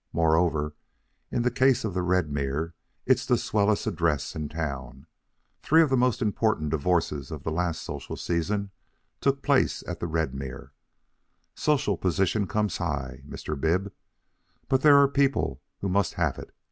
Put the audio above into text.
Moreover, in the case of the Redmere it's the swellest address in town. Three of the most important divorces of the last social season took place at the Redmere. Social position comes high, Mr. Bib, but there are people who must have it.